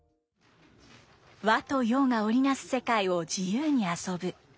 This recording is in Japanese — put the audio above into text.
和と洋が織り成す世界を自由に遊ぶ。